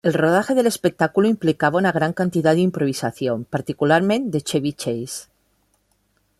El rodaje del espectáculo implicaba una gran cantidad de improvisación, particularmente de Chevy Chase.